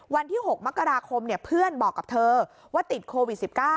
วันที่๖มกราคมเพื่อนบอกกับเธอว่าติดโควิด๑๙